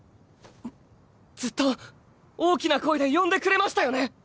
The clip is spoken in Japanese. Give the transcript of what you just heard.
ずっと大きな声で呼んでくれましたよね。